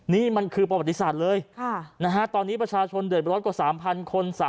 นี่มันคือประวัติศาสตร์เลยตอนนี้ประชาชนเดือดร้อนกว่า๓๐๐คน